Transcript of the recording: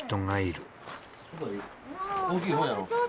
大きい方やろ？